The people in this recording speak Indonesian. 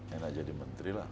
enak jadi menteri lah